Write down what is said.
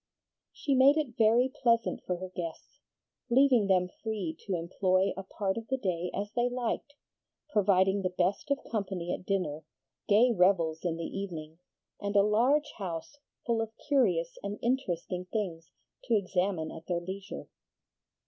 She made it very pleasant for her guests, leaving them free to employ a part of the day as they liked, providing the best of company at dinner, gay revels in the evening, and a large house full of curious and interesting things to examine at their leisure.